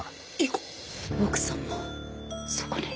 奥さんもそこに？